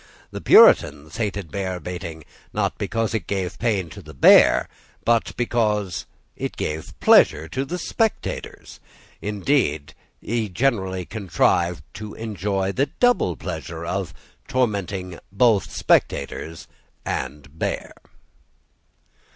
The Puritan hated bearbaiting, not because it gave pain to the bear, but because it gave pleasure to the spectators. Indeed, he generally contrived to enjoy the double pleasure of tormenting both spectators and bear.